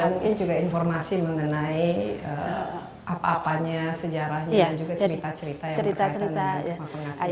dan mungkin juga informasi mengenai apa apanya sejarahnya juga cerita cerita yang berkaitan dengan pahakar nasional ini